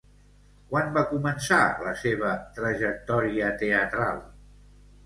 Quan va començar la seva trajectòria teatral?